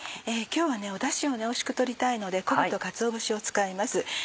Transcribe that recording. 今日はダシをおいしく取りたいので昆布とかつお節を使います。